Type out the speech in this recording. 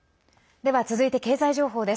では続いて経済情報です。